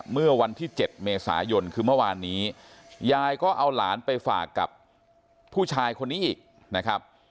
เมื่อวันที่๗เมษายนคือเมื่อวานนี้ยายก็เอาหลานไปฝากกับผู้ชายคนนี้อีกนะครับ